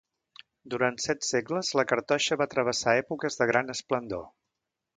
Durant set segles, la cartoixa va travessar èpoques de gran esplendor.